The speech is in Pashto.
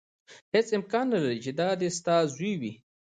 هېڅ امکان نه لري چې دا دې ستا زوی وي.